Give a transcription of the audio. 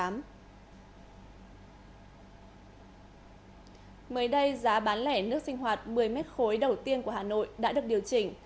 mới đây giá bán lẻ nước sinh hoạt một mươi m ba đầu tiên của hà nội đã được điều chỉnh